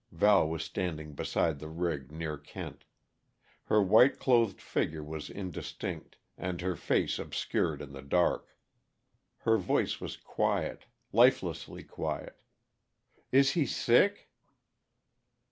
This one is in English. Val was standing beside the rig, near Kent. Her white clothed figure was indistinct, and her face obscured in the dark. Her voice was quiet lifelessly quiet. "Is he sick?"